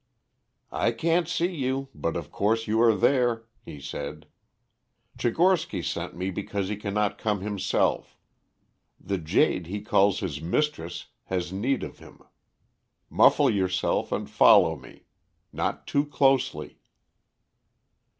"I can't see you, but, of course, you are there," he said. "Tchigorsky sent me because he cannot come himself. The jade he calls his mistress has need of him. Muffle yourself and follow me. Not too closely."